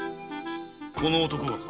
この男がか。